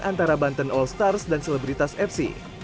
antara banten all stars dan selebritas fc